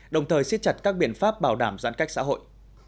đồng thời xiết chặt các biện pháp bảo đảm giãn cách xã hội